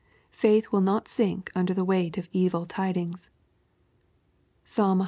Faith will not sink under the weight of evil tidings, (Psa. cxii.